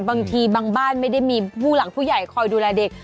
บางทีบางบ้านไม่ได้มีผู้หลังผู้ใหญ่คอยดูแลเด็ก